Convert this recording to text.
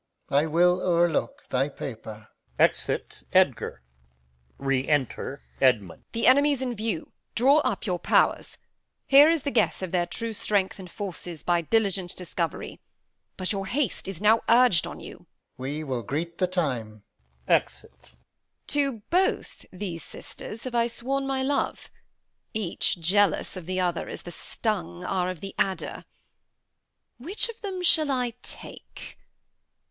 I will o'erlook thy paper. Exit [Edgar]. Enter Edmund. Edm. The enemy 's in view; draw up your powers. Here is the guess of their true strength and forces By diligent discovery; but your haste Is now urg'd on you. Alb. We will greet the time. Exit. Edm. To both these sisters have I sworn my love; Each jealous of the other, as the stung Are of the adder. Which of them shall I take?